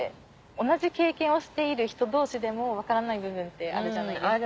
同じ経験をしている人同士でも分からない部分ってあるじゃないですか。